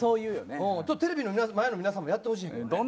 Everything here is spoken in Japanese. テレビの前の皆さんもやってほしい。